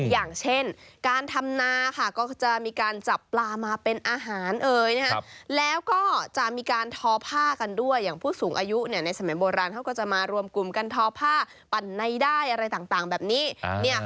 อย่างเช่นการทำนาค่ะก็จะมีการจับปลามาเป็นอาหารแล้วก็จะมีการทอผ้ากันด้วยอย่างผู้สูงอายุในสมัยโบราณเขาก็จะมารวมกลุ่มกันทอผ้าปั่นในได้อะไรต่างแบบนี้